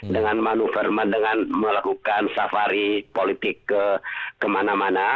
dengan manuver dengan melakukan safari politik kemana mana